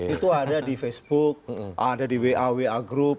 itu ada di facebook ada di wa wa group